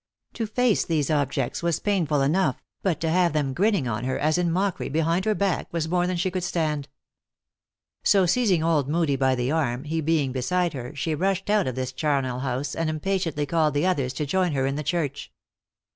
To face these objects was painful enough, but to have them grinning on her, as in mockery, behind her back, was more than she could stand. So seizing old Moodie by the arm, he being beside her, she rushed out of this charnel house, and impatiently called to the others to join her in the church.